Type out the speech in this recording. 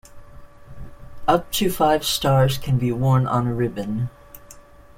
Up to five stars can be worn on a ribbon.